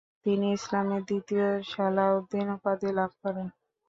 তিনি ইসলামের দ্বিতীয় সালাহ উদ্দিন উপাধি লাভ করেন।